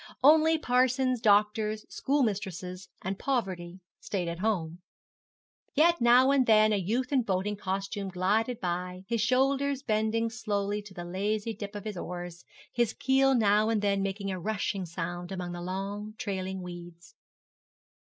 Only parsons, doctors, schoolmistresses, and poverty stayed at home. Yet now and then a youth in boating costume glided by, his shoulders bending slowly to the lazy dip of his oars, his keel now and then making a rushing sound among long trailing weeds.